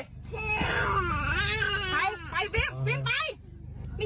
ไปไปฟิมฟิมไป